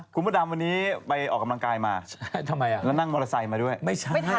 คุณประดำวันนี้ไปออกกำลังกายมาแล้วนั่งมอเตอร์ไซต์มาด้วยไม่ใช่ทำไมอ่ะ